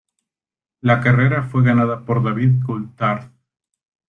La carrera fue ganada por David Coulthard.